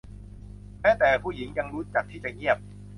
แม้แต่ผู้หญิงยังรู้จักที่จะเงียบ